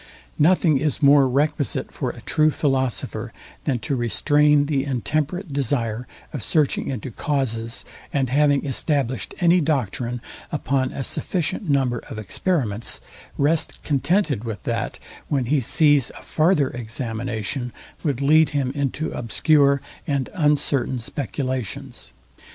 Nothing is more requisite for a true philosopher, than to restrain the intemperate desire of searching into causes, and having established any doctrine upon a sufficient number of experiments, rest contented with that, when he sees a farther examination would lead him into obscure and uncertain speculations.